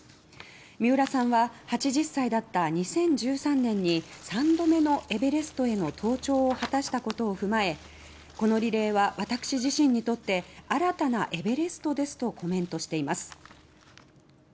三浦さんは８０歳だった２０１３年に３度目のエベレストへの登頂を果たしたことを踏まえ「このリレーは私自身にとって新たなエベレストです」とコメントしています。